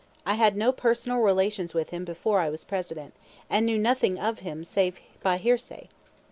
I had no personal relations with him before I was President, and knew nothing of him save by hearsay.